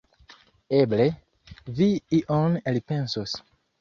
Eble, vi ion elpensos.